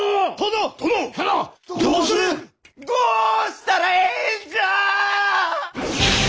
どうする⁉どうしたらええんじゃ！